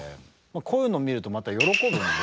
こういうのを見るとまた喜ぶんで。